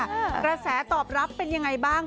กระแสตอบรับเป็นยังไงบ้าง